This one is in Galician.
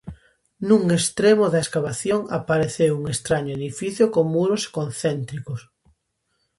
Nun estremo da escavación, apareceu un estraño edificio con muros concéntricos.